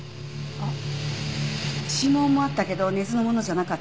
あっ。